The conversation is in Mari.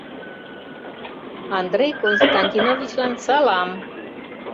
Андрей Константиновичлан салам!